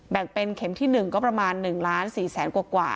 แบ่งเป็นเข็มที่๑ก็ประมาณ๑๔๐๐๐๐๐กว่า